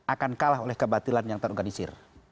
akan kalah oleh kebatilan yang terorganisir